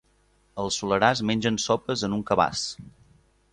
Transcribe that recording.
Al Soleràs mengen sopes en un cabàs.